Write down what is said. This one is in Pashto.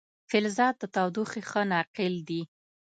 فلزات د تودوخې ښه ناقل دي.